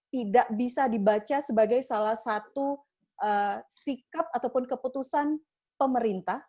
tidak bisa dibaca sebagai salah satu sikap ataupun keputusan pemerintah